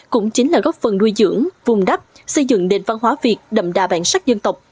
cũng chính là góp phần nuôi dưỡng vùng đắp xây dựng nền văn hóa việt đậm đà bản sắc dân tộc